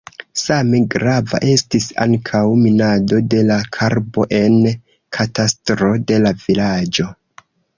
Same grava estis ankaŭ minado de la karbo en katastro de la vilaĝo.